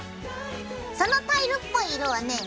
そのタイルっぽい色はね